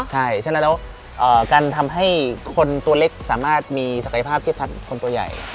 ใช่ฉะนั้นแล้วการทำให้คนตัวเล็กสามารถมีศักยภาพที่คนตัวใหญ่